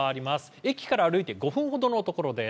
駅から歩いて５分ほどのところです。